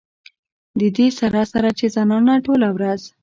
د دې سره سره چې زنانه ټوله ورځ